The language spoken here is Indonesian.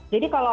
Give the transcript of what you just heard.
jadi kalau orang